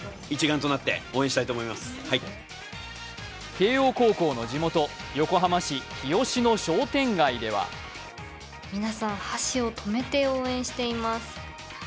慶応高校の地元、横浜市日吉の商店街では皆さん箸を止めて応援しています。